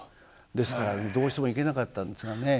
ですからどうしても行けなかったんですがね